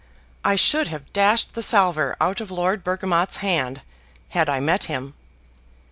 I should have dashed the salver out of Lord Bergamot's hand, had I met him."